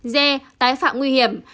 d tái phạm nguy hiểm